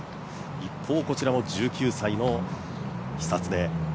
一方、こちらも１９歳の久常。